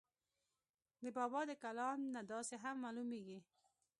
د بابا دَکلام نه داسې هم معلوميږي